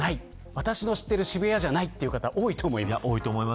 私の知っている渋谷じゃないという方が多いと思います。